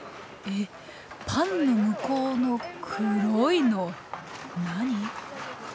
えっパンの向こうの黒いの何？